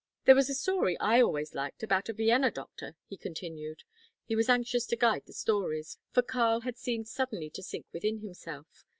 "There was a story I always liked about a Vienna doctor," he continued; he was anxious to guide the stories, for Karl had seemed suddenly to sink within himself.